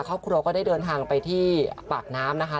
ครอบครัวก็ได้เดินทางไปที่ปากน้ำนะคะ